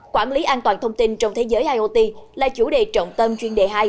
quản lý an toàn thông tin trong thế giới iot là chủ đề trọng tâm chuyên đề hai